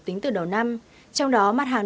tính từ đầu năm trong đó mặt hàng